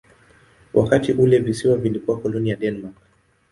Wakati ule visiwa vilikuwa koloni ya Denmark.